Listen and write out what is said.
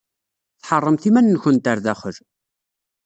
Tḥeṛṛemt iman-nwent ɣer daxel.